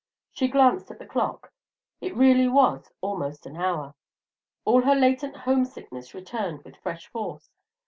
She glanced at the clock; it really was almost an hour. All her latent homesickness returned with fresh force.